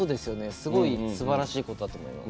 すごいすばらしいことだと思います。